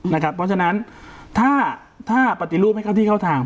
เพราะฉะนั้นถ้าปฏิรูปให้เข้าที่เข้าทาง